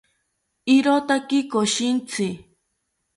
irotaki koshintzi